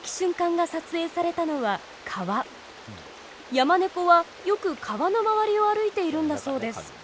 ヤマネコはよく川の周りを歩いているんだそうです。